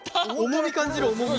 重み感じる重み。